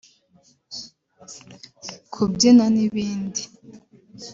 kubyina n’ibindi